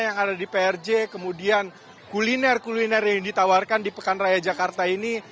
yang ada di prj kemudian kuliner kuliner yang ditawarkan di pekan raya jakarta ini